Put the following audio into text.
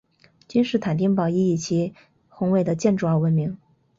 君士坦丁堡亦以其宏伟的建筑而闻名。